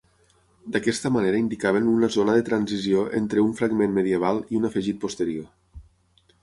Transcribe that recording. D'aquesta manera indicaven una zona de transició entre un fragment medieval i un afegit posterior.